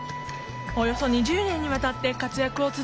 およそ２０年にわたって活躍を続けています